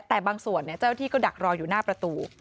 แต่บางส่วนเจ้าที่ก็ดักรออยู่หน้าประตู